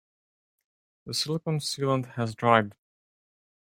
The silicon sealant has dried.